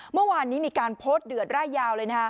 เมื่อวานนี้มีการโพสต์เดือดร่ายยาวเลยนะ